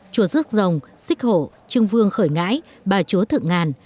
chùa rước rồng xích hộ trưng vương khởi ngãi bà chúa thượng ngàn